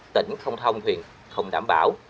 tỉnh không thông huyện không đảm bảo